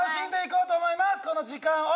この時間を！